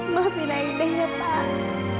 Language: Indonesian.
maafin aida ya pak